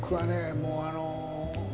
もうあの。